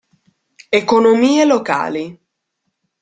Economie locali.